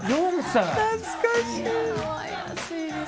４歳？